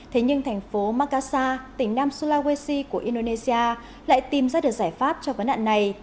thế nhưng thành phố macasha tỉnh nam sulawesi của indonesia lại tìm ra được giải pháp cho vấn nạn này